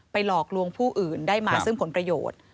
หลอกลวงผู้อื่นได้มาซึ่งผลประโยชน์